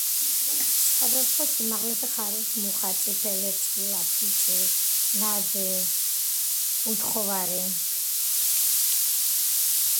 სხვადსხვა სიმაღლეზე ხარობს მუხა, წაბლი, წიფელი, რცხილა, ფიჭვი, ნაძვი, უთხოვარი.